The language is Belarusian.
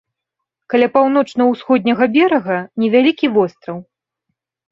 Каля паўночна-ўсходняга берага невялікі востраў.